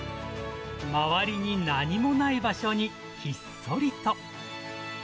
周りに何もない場所にひっそりと。